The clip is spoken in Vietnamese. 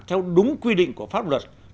theo đúng quy định của pháp luật